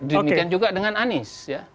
demikian juga dengan anies